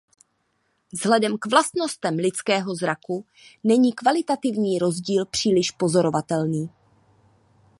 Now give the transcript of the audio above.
Vzhledem k vlastnostem lidského zraku není kvalitativní rozdíl příliš pozorovatelný.